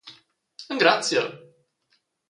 Engraziel.